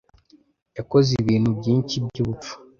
yakoze ibintu byinshi byubupfu.